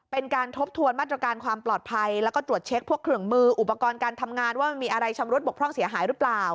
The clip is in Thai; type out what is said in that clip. เป็นการทบทวนมาตรการความปลอดภัยแล้วก็ตรวจเช็คพวกเครื่องมืออุปกรณ์การทำงานว่ามันมีอะไรชำรุดบกพร่องเสียหายหรือเปล่า